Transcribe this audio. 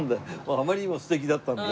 あまりにも素敵だったんで。